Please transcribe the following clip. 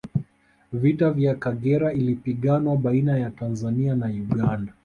vita ya Kagera ilipiganwa baina ya tanzania na uganda